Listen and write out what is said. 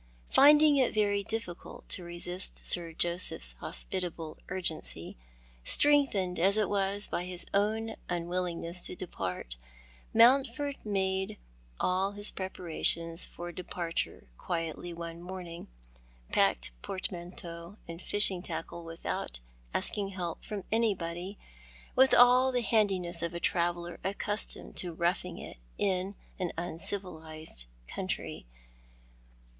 Finding it very difficult to resist Sir Joseph's hospitable urgency, strengthened as it was by his own unwilling ness to depart, Mountford made all his preparations for depar ture quietly one morning, packed portmanteau and fishing tackle without asking help from anybody, with all the handi ness of a traveller accustomed to roughing it in an uncivilised c:)untry.